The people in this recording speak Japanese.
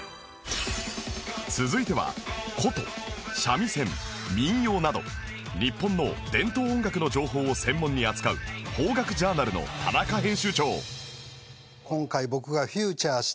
続いては箏三味線民謡など日本の伝統音楽の情報を専門に扱う『邦楽ジャーナル』の田中編集長